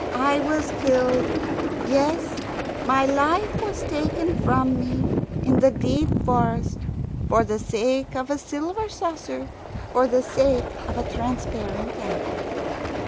I was killed yes, my life was taken from me in the deep forest for the sake of a silver saucer, for the sake of a transparent apple."